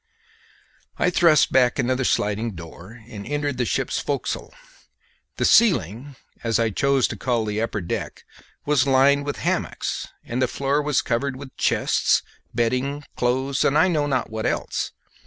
I thrust back another sliding door and entered the ship's forecastle. The ceiling, as I choose to call the upper deck, was lined with hammocks, and the floor was covered with chests, bedding, clothes, and I know not what else.